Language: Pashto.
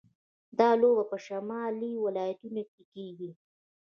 دا لوبه په شمالي ولایتونو کې کیږي.